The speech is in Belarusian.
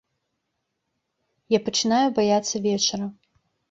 Я пачынаю баяцца вечара.